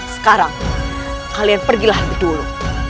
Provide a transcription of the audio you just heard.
sekarang kalian pergilah lebih dulu